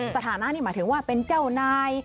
สถานุนี้มาถึงว่าเป็นก้าวหน้า